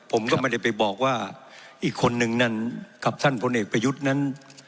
ผมก็ไม่ได้ไปบอกว่าอีกคนนึงนั้นกับท่านพลเอกประยุทธ์นั้น